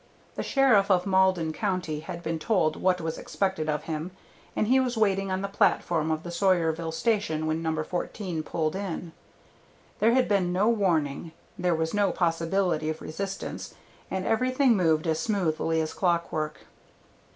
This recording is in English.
The sheriff of Malden County had been told what was expected of him, and he was waiting on the platform of the Sawyerville station when No. 14 pulled in. There had been no warning, there was no possibility of resistance, and everything moved as smoothly as clockwork.